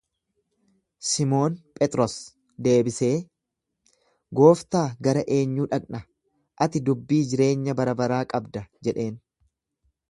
Simoon Phexros deebisee, Gooftaa, gara eenyuu dhaqna? Ati dubbii jireenya barabaraa qabda jedheen.